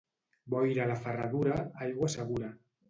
Boira a la Ferradura, aigua segura.